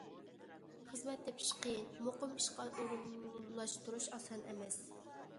خىزمەت تېپىش قىيىن، مۇقىم ئىشقا ئورۇنلاشتۇرۇش ئاسان ئەمەس.